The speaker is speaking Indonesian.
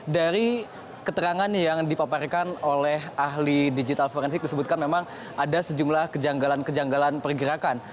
dari keterangan yang dipaparkan oleh ahli digital forensik disebutkan memang ada sejumlah kejanggalan kejanggalan pergerakan